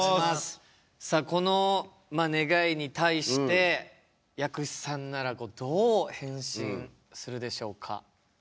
さあこの願いに対して藥師さんならどう返信するでしょうか？